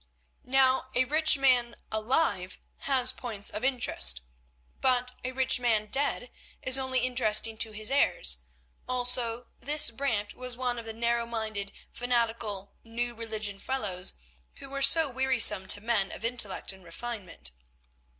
Now a rich man alive has points of interest, but a rich man dead is only interesting to his heirs. Also, this Brant was one of these narrow minded, fanatical, New Religion fellows who were so wearisome to men of intellect and refinement.